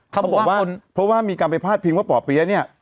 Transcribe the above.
เขาบอกว่าเพราะว่ามีการไปพาดพิงว่าป่อเปี๊ยะเนี่ย